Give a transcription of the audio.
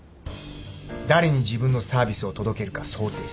誰に自分のサービスを届けるか想定する。